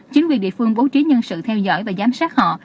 chính quyền địa phương bố trí nhân sự theo dõi và giám sát họ